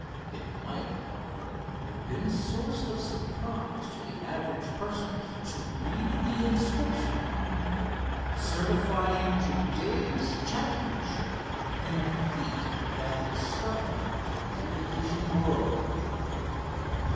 It might, however, have been a source of surprise to the average person to read the inscription on the medal, certifying to Dave's championship in a feat that had startled the aviation world.